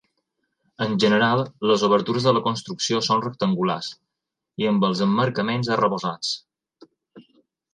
En general, les obertures de la construcció són rectangulars i amb els emmarcaments arrebossats.